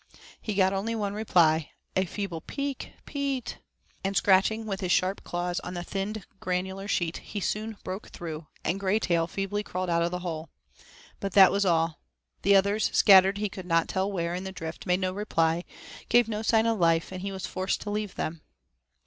He got only one reply, a feeble 'peete, peete,' and scratching with his sharp claws on the thinned granular sheet he soon broke through, and Graytail feebly crawled out of the hole. But that was all; the others, scattered he could not tell where in the drift, made no reply, gave no sign of life, and he was forced to leave them.